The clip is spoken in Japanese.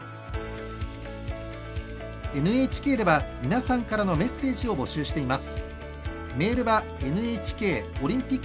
ＮＨＫでは皆さんからのメッセージを募集しています。